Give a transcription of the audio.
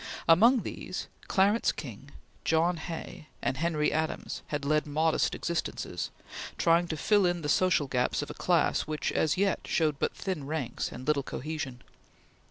Among all these Clarence King, John Hay, and Henry Adams had led modest existences, trying to fill in the social gaps of a class which, as yet, showed but thin ranks and little cohesion.